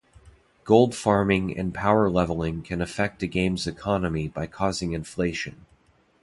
Gold farming and power leveling can affect a game's economy by causing inflation.